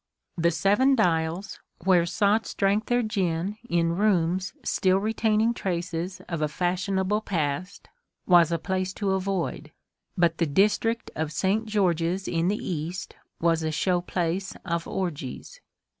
The Seven Dials, where sots drank their gin in rooms stiU RITUALISM 41 retaining traces of a fashionable past, was a place to avoid, but the district of St. 6eorge's in the East was a show place of orgies.